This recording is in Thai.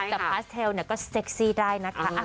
แต่พาสเทลก็เซ็กซี่ได้นะคะ